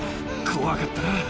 怖かったな。